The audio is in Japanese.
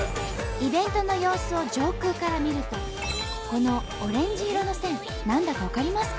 イベントの様子を上空から見るとこのオレンジ色の線何だか分かりますか？